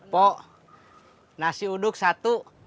pok nasi uduk satu